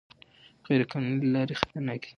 غیر قانوني لارې خطرناکې دي.